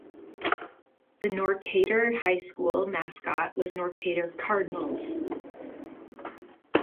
The Norcatur High School mascot was Norcatur Cardinals.